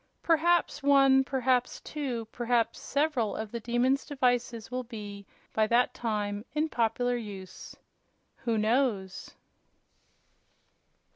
Perhaps one, perhaps two perhaps several of the Demon's devices will be, by that time, in popular use. Who knows?